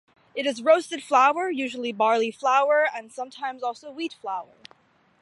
It is roasted flour, usually barley flour and sometimes also wheat flour.